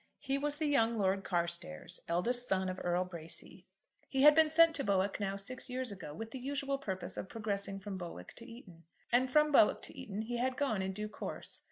He was the young Lord Carstairs, eldest son of Earl Bracy. He had been sent to Bowick now six years ago, with the usual purpose of progressing from Bowick to Eton. And from Bowick to Eton he had gone in due course.